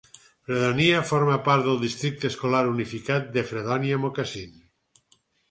Fredonia forma part del districte escolar unificat de Fredonia-Moccasin.